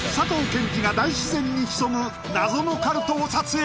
健寿が大自然に潜む謎のカルトを撮影